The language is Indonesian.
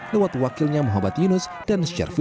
lewat wakilnya muhammad yunus dan syar fudin